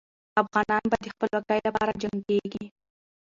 افغانان به د خپلواکۍ لپاره جنګېږي.